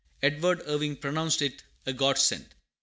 Edward Irving pronounced it a godsend.